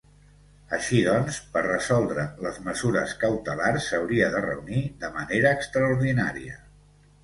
Així doncs, per resoldre les mesures cautelars s’hauria de reunir de manera extraordinària.